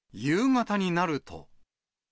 夕方になると。